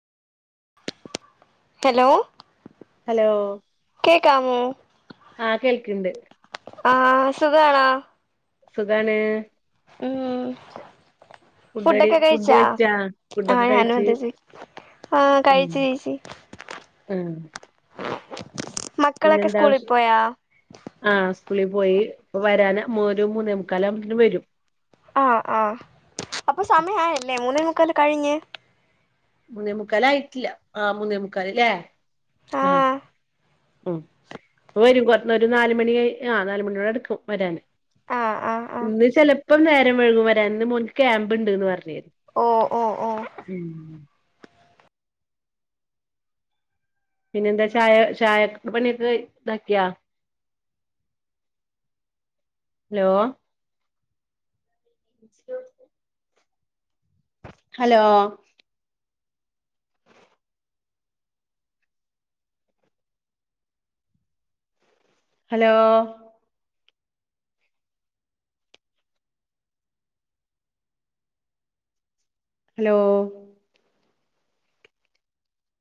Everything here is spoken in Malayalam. ഹലോ ഹലോ കേക്കാമോ ആഹ് കേൾക്ക്ണ്ട് ആഹ് സുഖവാണോ? സുഖാണ് ഉം ഫുഡടി ഫുഡൊക്കെ ഫുഡ് കഴിച്ചാ? ഫുഡൊക്കെ ആഹ് ഞാനും കഴിച്ച് അതെ ചോയ്ക്ക്ന്നെ ആഹ് കഴിച്ചു ചേച്ചി ഉം മക്കളൊക്കെ പിന്നെന്താ സ്കൂളിൽ വിശേ പോയാ ആഹ് സ്കൂളി പോയി ഇപ്പൊ വരാന ഒരു മൂന്നേ മുക്കാലാകുമ്പേക്ക്ന് വരും ആഹ് ആഹ് അപ്പൊ സമയായല്ലേ? മൂന്നേമുക്കല് കഴിഞ്ഞ് മുന്നേമുക്കാലായിട്ടില്ല ആഹ് മുന്നേമുക്കാല് ല്ലേ? ആ ആഹ് ഉം ഇപ്പവരും കൊറ ഒരു നാല് മണി കഴി ആഹ് നാലുമണിയോടടുക്കും വരാന് ആ ആ ആ ഇന്ന് ചെലപ്പം നേരം വൈകും വരാന് ഇന്ന് മോൻക്ക് ക്യാമ്പ് ഇണ്ട്ന്ന് പറഞ്ഞിരുന്നു ഓഹ് ഓഹ് ഉം പിന്നെന്താ ചായ ചായക് പണിയൊക്കെ ഇതാക്കിയാ? Law [unintelligible] hello hello hello